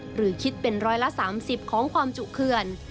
หรือคิดเป็นร้อยละ๓๐ของความจุเขื่อน